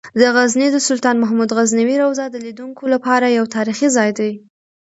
د غزني د سلطان محمود غزنوي روضه د لیدونکو لپاره یو تاریخي ځای دی.